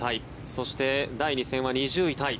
そして、第２戦は２０位タイ。